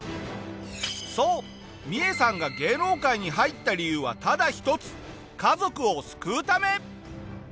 そうミエさんが芸能界に入った理由はただ一つ「家族を救うため」。